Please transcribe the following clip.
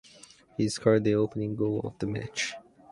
He scored the opening goal of the match.